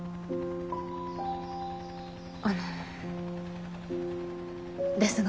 あのですが。